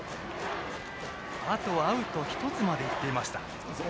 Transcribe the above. あとアウト１つまで行っていました。